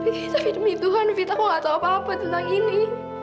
tapi demi tuhan evita aku gak tahu apa apa tentang ini